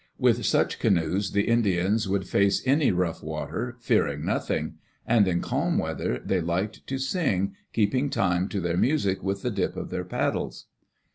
With such canoes the Indians would face any rough water, fearing nothing; and in calm weather they liked to sing, keeping time to their music with the dip of their paddles.